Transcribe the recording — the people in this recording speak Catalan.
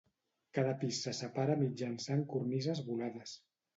Cada pis se separa mitjançant cornises volades.